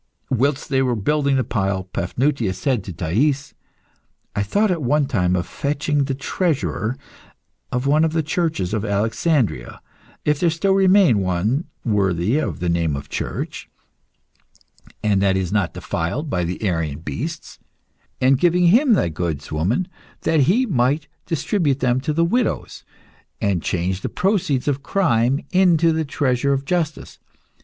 Whilst they were building the pile, Paphnutius said to Thais "I thought at one time of fetching the treasurer of one of the churches of Alexandria (if there still remain one worthy of the name of church, and that is not defiled by the Arian beasts) and giving him thy goods, woman, that he might distribute them to widows, and change the proceeds of crime into the treasure of justice.